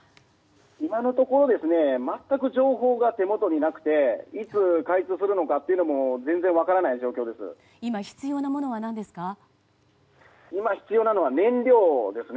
今のところ全く情報が手元になくていつ解消するのかも今、必要なものは今、必要なのは燃料ですね。